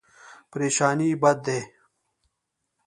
پریشاني بد دی.